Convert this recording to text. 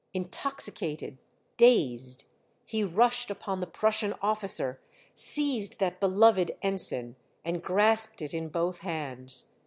Intoxicated, dazed, he rushed upon the Prussian officer, seized that beloved ensign, and grasped it in both hands.